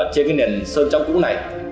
trên cái nền sơn trắng cũ này